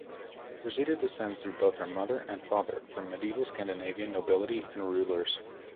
Rosita descends through both her mother and father from medieval Scandinavian nobility and rulers.